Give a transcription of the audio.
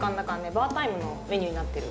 バータイムのメニューになってる。